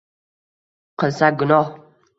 qilsak gunoh